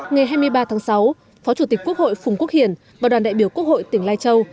ngày hai mươi ba tháng sáu phó chủ tịch quốc hội phùng quốc hiển và đoàn đại biểu quốc hội tỉnh lai châu